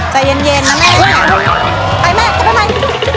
ใจเย็นเย็นนะแม่ไปแม่จะไป